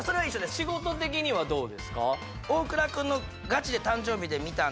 仕事的にはどうですか？